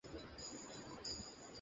হে চুন্দর ব্যাডা।